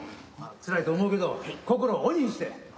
まあつらいと思うけど心を鬼にして。